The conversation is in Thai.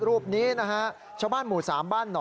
โอ้โห